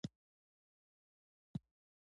خوب د فکر دروازه ده